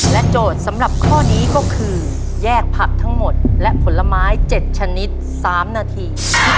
โจทย์สำหรับข้อนี้ก็คือแยกผักทั้งหมดและผลไม้๗ชนิด๓นาที